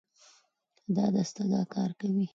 دا دستګاه کار کوي.